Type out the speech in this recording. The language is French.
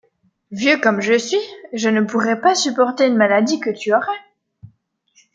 Vieux comme je suis, je ne pourrais pas supporter une maladie que tu aurais.